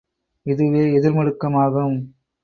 இதுவே எதிர்முடுக்கம் ஆகும்.